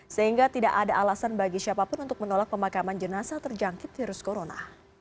sehingga tidak ada alasan bagi siapapun untuk menolak pemakaman jenazah terjangkit virus corona